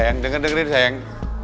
ya denger dengerin sayang